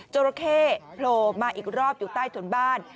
จราเข้โผล่มาอีกรอบอยู่ใต้ถุนบ้าน